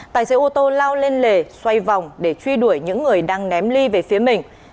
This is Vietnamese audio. tài xế ô tô lao lên lề xoay vòng để truy đuổi những người đang ném ly về phía mình